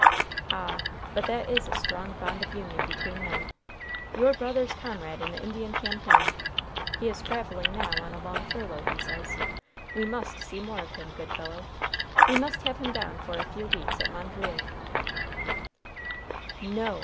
"Ah! but that is a strong bond of union between men. Your brother's comrade in the Indian campaign! He is traveling now on a long furlough, he says. We must see more of him, good fellow! We must have him down for a few weeks at Mondreer." "No!"